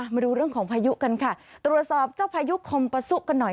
มาดูเรื่องของพายุกันค่ะตรวจสอบเจ้าพายุคมปะซุกันหน่อย